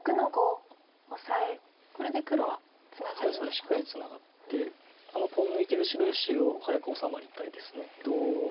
しっかりツナがってあのポン抜いてる白石を早く治まりたいです。